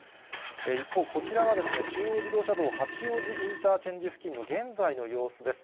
一方、こちらは中央自動車道八王子インターチェンジ付近の現在の様子です。